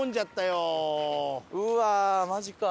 うわーマジか。